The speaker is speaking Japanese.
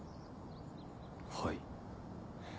はい。